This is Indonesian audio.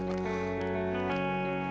aku punya si perempuan mah hugh